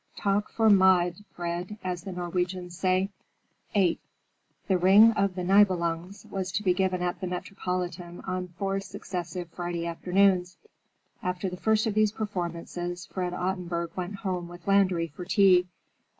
Tak for mad, Fred, as the Norwegians say." VIII The "Ring of the Niebelungs" was to be given at the Metropolitan on four successive Friday afternoons. After the first of these performances, Fred Ottenburg went home with Landry for tea.